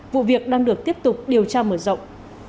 vụ việc đang được tiếp tục điều tra mở rộng